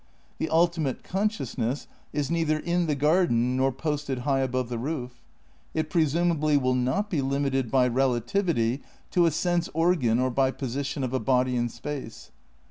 The ultimate consciousness is neither in the garden nor posted high above the roof. It pre sumably will not be limited by relativity to a sense organ or by position of a body in space.